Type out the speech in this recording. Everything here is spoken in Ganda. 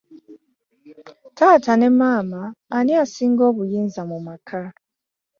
Taata ne maama ani asinga obuyinza mu maka?